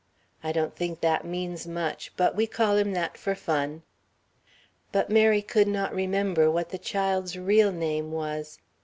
I don't think that means much, but we call him that for fun...." But Mary could not remember what the child's real name was.